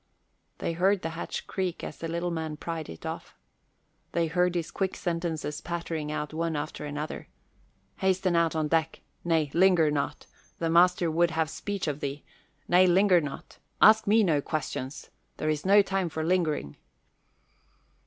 They heard the hatch creak as the little man pried it off. They heard his quick sentences pattering out one after another: "Hasten out on deck nay, linger not. The master would have speech of thee. Nay, linger not. Ask me no questions! There's no time for lingering."